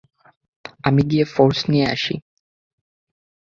আমি গিয়ে ফোর্স নিয়ে আসি।